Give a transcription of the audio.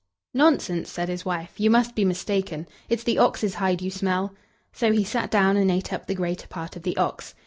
"Nonsense!" said his wife; "you must be mistaken. It's the ox's hide you smell." So he sat down, and ate up the greater part of the ox.